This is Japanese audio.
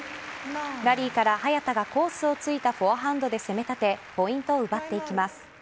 ラリーから早田がコースを突いたフォアハンドで攻め立てポイントを奪っていきます。